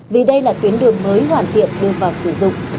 vì đây là tuyến đường mới hoàn thiện đưa vào sử dụng